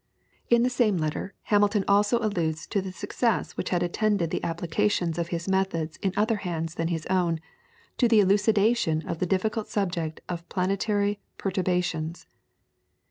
In the same letter Hamilton also alludes to the success which had attended the applications of his methods in other hands than his own to the elucidation of the difficult subject of Planetary Perturbations.